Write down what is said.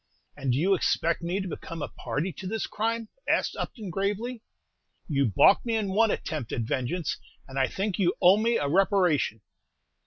"And do you expect me to become a party to this crime?" asked Upton, gravely. "You balked me in one attempt at vengeance, and I think you owe me a reparation!"